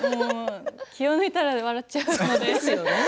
気を抜いたら笑っちゃいますよね。